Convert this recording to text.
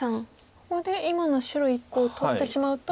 ここで今の白１個を取ってしまうと危ない。